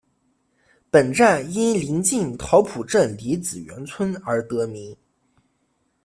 本站因临近桃浦镇李子园村而得名。